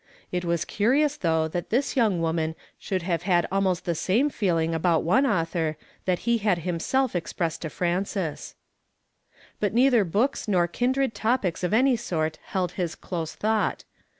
It Avas curious, though, that this young woman should ' ve had almost the same feeliuir about one aui,..ar that he had himself expressed to Frances. 1*>ut lu'ither books nor kiiub'cd topics of any sort held his close thought.